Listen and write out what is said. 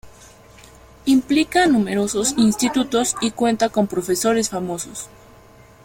Implica a numerosos institutos y cuenta con profesores famosos.